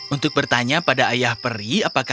untuk bertanya pada ayah perry apakah kita bisa menikah